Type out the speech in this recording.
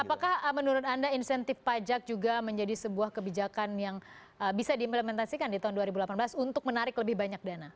apakah menurut anda insentif pajak juga menjadi sebuah kebijakan yang bisa diimplementasikan di tahun dua ribu delapan belas untuk menarik lebih banyak dana